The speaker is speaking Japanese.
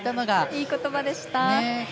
いい言葉でした。